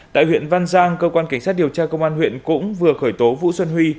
tại huyện văn giang cơ quan cảnh sát điều tra công an huyện cũng vừa khởi tố vũ xuân huy